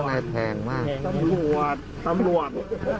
ทำรวดทำรวดทำรวด